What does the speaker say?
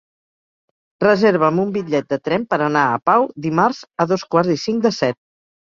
Reserva'm un bitllet de tren per anar a Pau dimarts a dos quarts i cinc de set.